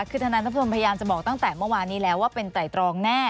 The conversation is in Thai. คือทนายนัทพลพยายามจะบอกตั้งแต่เมื่อวานนี้แล้วว่าเป็นไตรตรองแน่